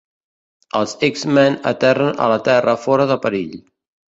Els X-Men aterren a la Terra fora de perill.